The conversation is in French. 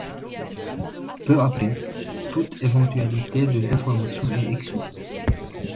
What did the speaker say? Peu après, toute éventualité de reformation est exclue.